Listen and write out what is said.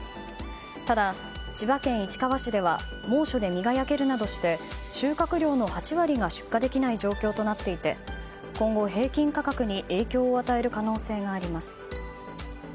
ただ、千葉県市川市では猛暑で実が焼けるなどして収穫量の８割が出荷できない状況となっていて今後、平均価格に影響を与える可能性があります。